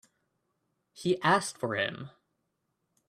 He asked for him.